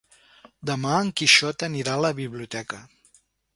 Demà en Quixot anirà a la biblioteca.